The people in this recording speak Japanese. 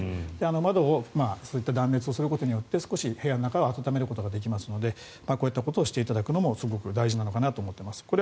窓をそういった断熱をすることによって少し部屋の中を暖めることができますのでこういったことをしていただくのも大事かなと思っています。